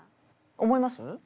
思います？